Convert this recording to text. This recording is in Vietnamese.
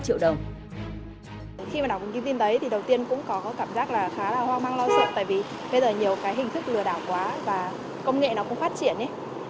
khi mà đọc thông tin đấy thì đầu tiên cũng có cảm giác là khá là hoang mang lo sợ tại vì bây giờ nhiều cái hình thức lừa đảo quá và công nghệ nó cũng phát triển